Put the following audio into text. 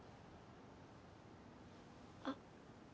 あっ。